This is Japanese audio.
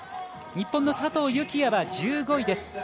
日本の佐藤幸椰は１５位です。